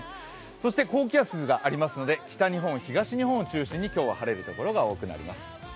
そして高気圧がありますので北日本、東日本を中心に今日は晴れるところが多くなります。